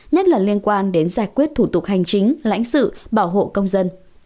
nhất là liên quan đến giải quyết thủ tục hành chính lãnh sự bảo hộ công dân